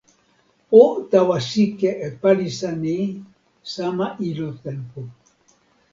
o tawa sike e palisa ni sama ilo tenpo.